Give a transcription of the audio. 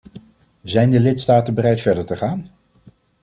Zijn de lidstaten bereid verder te gaan?